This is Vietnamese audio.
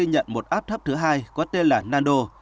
nhận một áp thấp thứ hai có tên là nando